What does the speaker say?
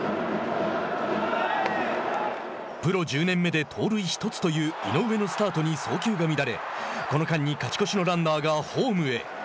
プロ１０年目で盗塁１つという井上のスタートに送球が乱れこの間に勝ち越しのランナーがホームへ。